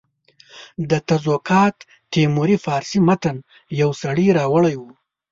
د تزوکات تیموري فارسي متن یو سړي راوړی وو.